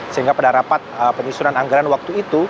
sehingga pada rapat penyusunan anggaran waktu itu